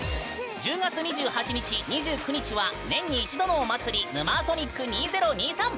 １０月２８日２９日は年に一度のお祭り「ヌマーソニック２０２３」！